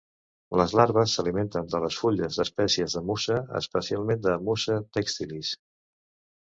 Les larves s'alimentes de les fulles d'espècies de "Musa", especialment de "Musa textilis".